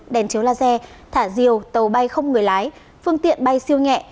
đèn chiếu laser thả diều tàu bay không người lái phương tiện bay siêu nhẹ